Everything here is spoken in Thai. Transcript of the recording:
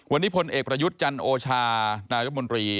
วันนี้พลเอกประยุทธ์จันโอชานายรัฐมนตรี